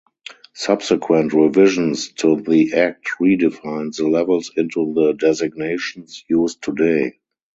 Subsequent revisions to the act redefined the levels into the designations used today.